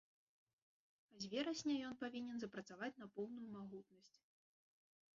А з верасня ён павінен запрацаваць на поўную магутнасць.